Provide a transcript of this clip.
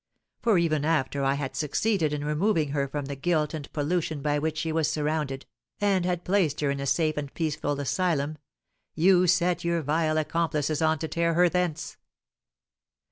For even after I had succeeded in removing her from the guilt and pollution by which she was surrounded, and had placed her in a safe and peaceful asylum, you set your vile accomplices on to tear her thence!